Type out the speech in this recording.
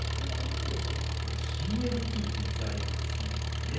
これＣＬＴという材料です。